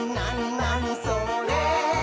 なにそれ？」